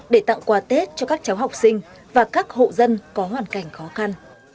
để tặng quà tết cho các cháu học sinh và các hộ dân có hoàn cảnh khó khăn